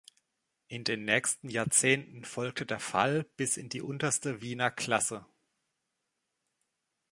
In den nächsten Jahrzehnten folgte der Fall bis in die unterste Wiener Klasse.